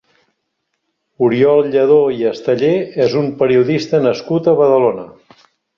Oriol Lladó i Esteller és un periodista nascut a Badalona.